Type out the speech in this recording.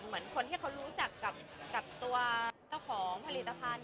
เหมือนคนที่เขารู้จักกับตัวเจ้าของผลิตภัณฑ์